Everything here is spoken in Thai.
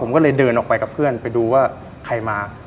ผมก็เลยเดินออกไปกับเพื่อนไปดูว่าใครมา